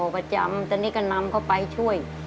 อ๋อประจำแต่นี่กันน้ำเข้าไปช่วย